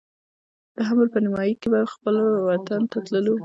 د حمل په نیمایي کې به خپل وطن ته راتلو.